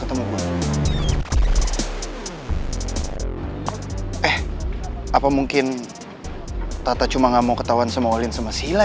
eh apa mungkin tata cuma nggak mau ketahuan sama walin sama sila ya